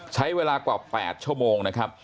ใช้เวลากว่า๘ชั่วโมงนะครับ